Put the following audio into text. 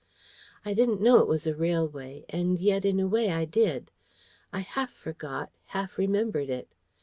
I didn't know it was a railway, and yet in a way I did. I half forgot, half remembered it.